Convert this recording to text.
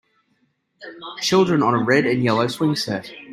Children on a red and yellow swing set.